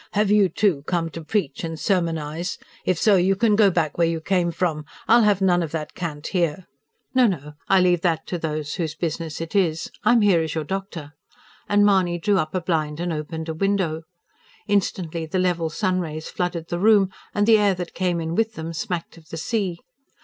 "Have you, too, come to preach and sermonise? If so, you can go back where you came from! I'll have none of that cant here." "No, no, I leave that to those whose business it is. I'm here as your doctor"; and Mahony drew up a blind and opened a window. Instantly the level sun rays flooded the room; and the air that came in with them smacked of the sea.